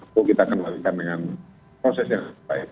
apa yang kita kembalikan dengan prosesnya